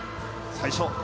最初。